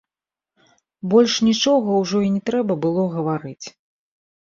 Больш нічога ўжо і не трэба было гаварыць.